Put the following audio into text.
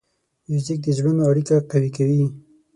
موزیک د زړونو اړیکه قوي کوي.